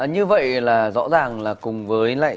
như vậy là rõ ràng là cùng với lại